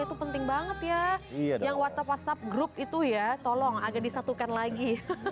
itu penting banget ya yang whatsapp whatsapp group itu ya tolong agak disatukan lagi